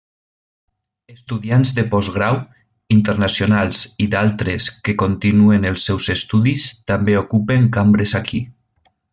Estudiants de postgrau, internacionals i d'altres que continuen els seus estudis també ocupen cambres aquí.